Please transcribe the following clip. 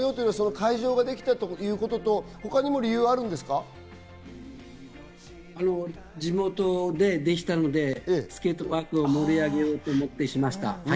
会場ができたということと、地元でできたので、スケートパークを盛り上げようと思って始めました。